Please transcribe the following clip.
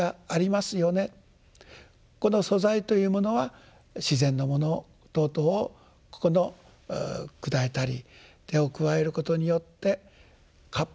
この素材というものは自然のもの等々をここの砕いたり手を加えることによってカップとしての一つの姿をなしてくる。